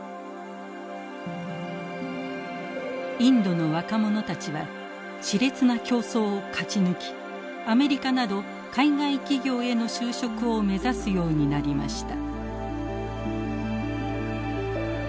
インドの若者たちはしれつな競争を勝ち抜きアメリカなど海外企業への就職を目指すようになりました。